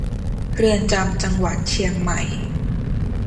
เรือนจำจังหวัดเชียงใหม่